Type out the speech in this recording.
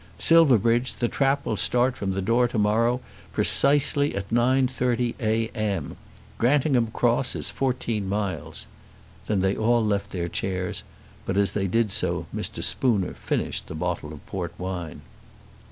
Silverbridge, the trap will start from the door to morrow morning precisely at 9.30 A.M. Grantingham Cross is fourteen miles." Then they all left their chairs, but as they did so Mr. Spooner finished the bottle of port wine.